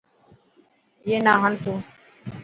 اي نا هرد تو.